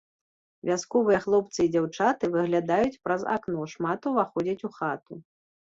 Вясковыя хлопцы і дзяўчаты выглядаюць праз акно, шмат уваходзяць у хату.